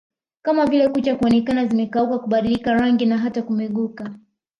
kama vile kucha kuonekana zimekauka kubadilika rangi na hata kumeguka